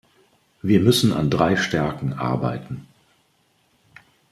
Wir müssen an drei Stärken arbeiten.